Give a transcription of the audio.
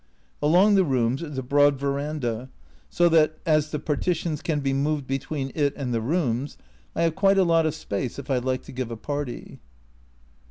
Along the rooms is a broad verandah, so that, as the partitions can be moved between it and the rooms, I have quite a lot of space if I like to give a party.